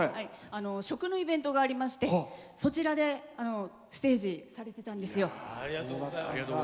食のイベントがありましてそちらでステージされてたんですよ。